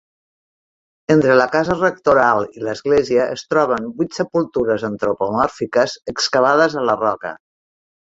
Entre la casa rectoral i l'església es troben vuit sepultures antropomòrfiques excavades a la roca.